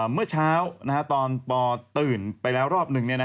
เมื่อเช้าตอนปตื่นไปแล้วรอบหนึ่ง